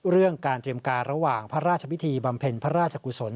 เรื่องการเตรียมการระหว่างพระราชพิธีบำเพ็ญพระราชกุศล